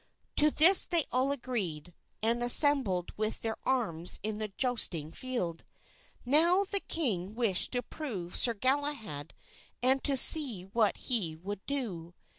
To this they all agreed, and assembled with their arms in the jousting field. Now the king wished to prove Sir Galahad and to see what he would do.